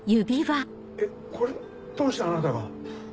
えっこれどうしてあなたが？